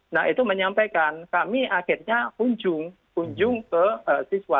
nah itu menyampaikan kami akhirnya kunjung ke siswa